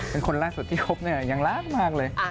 เป็นคนล่าสุดที่คบเนี่ยยังรักมากเลย